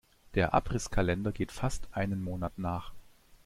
Der Abrisskalender geht fast einen Monat nach.